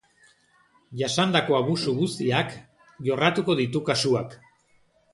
Jasandako busu guztiak jorratuko ditu kasuak.